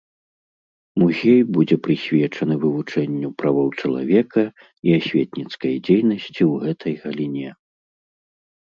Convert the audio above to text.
Музей будзе прысвечаны вывучэнню правоў чалавека і асветніцкай дзейнасці ў гэтай галіне.